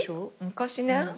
昔ね。